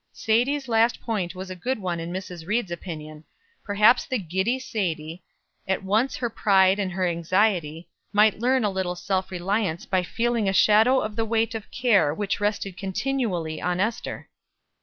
Sadie's last point was a good one in Mrs. Ried's opinion. Perhaps the giddy Sadie, at once her pride and her anxiety, might learn a little self reliance by feeling a shadow of the weight of care which rested continually on Ester.